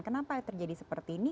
kenapa terjadi seperti ini